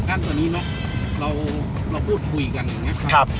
กั้นตรงนี้โน๊กเราเราพูดคุยกันอย่างเงี้ยครับ